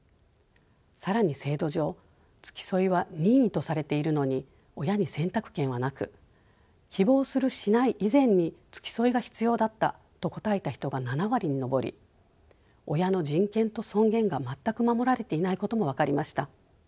更に制度上付き添いは任意とされているのに親に選択権はなく希望するしない以前に付き添いが必要だったと答えた人が７割に上り親の人権と尊厳が全く守られていないことも分かりました。